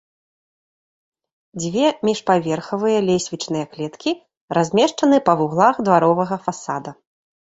Дзве міжпаверхавыя лесвічныя клеткі размешчаны па вуглах дваровага фасада.